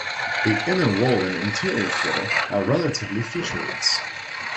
The inner wall and interior floor are relatively featureless.